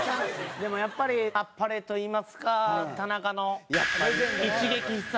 でもやっぱりあっぱれといいますか田中の一撃必殺。